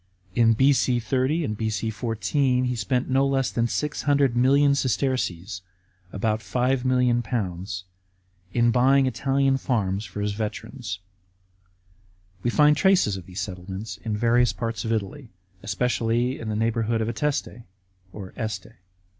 In B.C. 30 and B.C. 14, he spent no less than 600 million sesterces (about £5,000,000) in buying Italian farms for his veterans. We find traces of these settlements in various parts of Italy, especially in the neighbourhood of Ateste (Este).